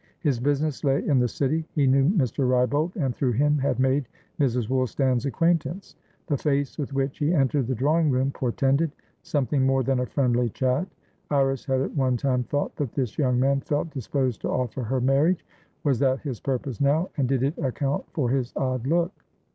His business lay in the City; he knew Mr. Wrybolt, and through him had made Mrs. Woolstan's acquaintance. The face with which he entered the drawing room portended something more than a friendly chat. Iris had at one time thought that this young man felt disposed to offer her marriage; was that his purpose now, and did it account for his odd look?